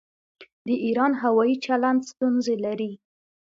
د ایران هوايي چلند ستونزې لري.